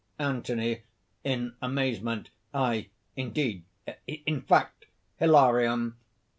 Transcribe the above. ANTHONY (in amazement). "Aye, indeed!... in fact...." HILARION.